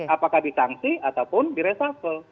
apakah disangsi ataupun diresafel